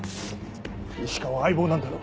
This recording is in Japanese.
石川は相棒なんだろ？